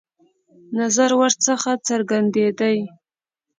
نظر ورڅخه څرګندېدی.